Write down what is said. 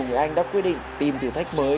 người anh đã quyết định tìm thử thách mới